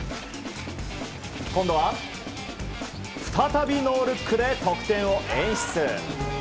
今度は再びノールックで得点を演出。